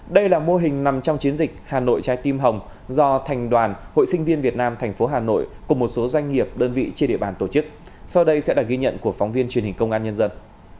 đây là mô hình nằm trong chiến dịch hà nội trái tim hồng do thành đoàn hội sinh viên việt nam tp hà nội cùng một số doanh nghiệp đơn vị trên địa bàn tổ chức sau đây sẽ là ghi nhận của phóng viên truyền hình công an nhân dân